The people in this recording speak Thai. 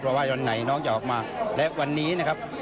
เพราะว่าวันไหนน้องจะออกมาและวันนี้นะครับ